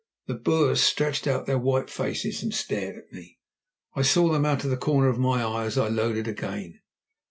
The Boers stretched out their white faces and stared at me; I saw them out of the corner of my eye as I loaded again.